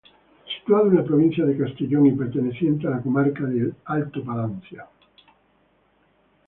Situado en la provincia de Castellón y perteneciente a la comarca del Alto Palancia.